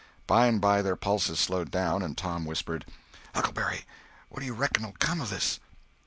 By and by their pulses slowed down, and Tom whispered: "Huckleberry, what do you reckon'll come of this?"